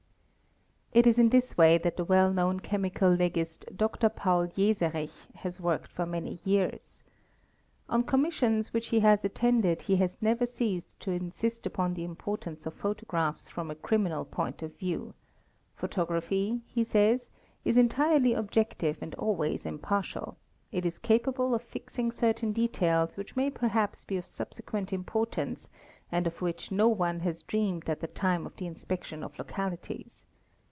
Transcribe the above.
_ It is in this way that the well known chemical legist Dr. Paul 5 ae &. serich has worked for many years. On commissions which he has 7 2 7 vane jae ayn HAA 0 IRI) A ARS NRA RARE ASST : Cees seal oe ter attended he has never ceased to insist upon the importance of photo gr ees from a criminal point of view*; photography, he says, is entirely ol jective and always impartial; it is capable of fixing certain details ba 1ich may perhaps be of subsequent importance and of which no one s dreamed at the time of the inspection of localities.